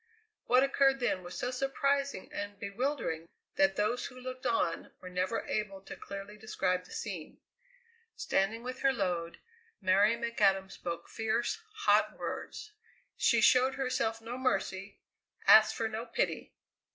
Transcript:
What occurred then was so surprising and bewildering that those who looked on were never able to clearly describe the scene. Standing with her load, Mary McAdam spoke fierce, hot words. She showed herself no mercy, asked for no pity.